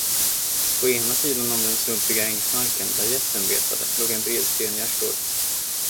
På ena sidan om den sumpiga ängsmarken, där gässen betade, låg en bred stengärdsgård.